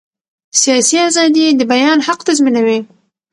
سیاسي ازادي د بیان حق تضمینوي